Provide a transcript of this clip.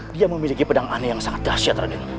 dia memiliki pedang aneh yang sangat kerasiat raden